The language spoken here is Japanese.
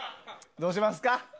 どうしますか？